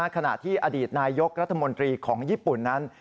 ขณะที่อดีตนายกรัฐมนตรีของญี่ปุ่นนั้น